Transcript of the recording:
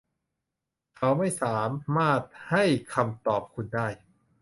เขาไม่สามารถให้คำตอบคุณได้